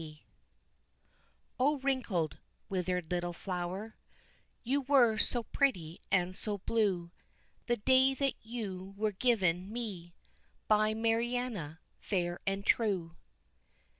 Violet O wrinkled, withered little flower, You were so pretty and so blue The day that you were given me, By Mariana, fair and true.